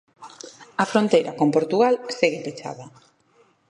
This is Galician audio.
A fronteira con Portugal segue pechada.